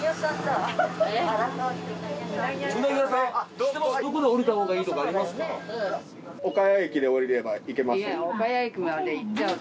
どこで降りたほうがいいとかありますか？